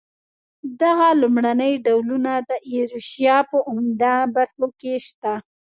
دغه لومړني ډولونه د ایروشیا په عمده برخو کې شته.